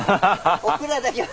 オクラだけは。